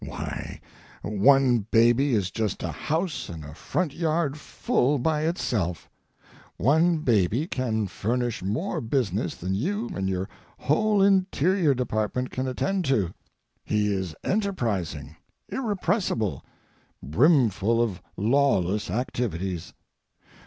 Why, one baby is just a house and a front yard full by itself. One baby can furnish more business than you and your whole Interior Department can attend to. He is enterprising, irrepressible, brimful of lawless activities.